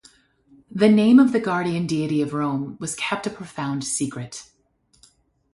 The name of the guardian deity of Rome was kept a profound secret.